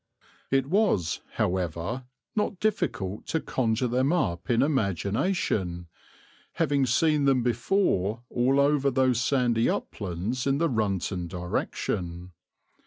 It was, however, not difficult to conjure them up in imagination, having seen them before all over those sandy uplands in the Runton direction.